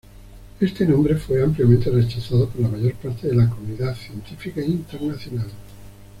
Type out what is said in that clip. Este nombre fue ampliamente rechazado por la mayor parte de la comunidad científica internacional.